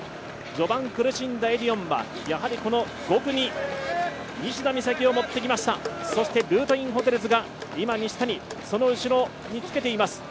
序盤苦しんだエディオンはやはり５区に西田美咲を持ってきました、ルートインホテルズが今、西谷、その後ろにつけています。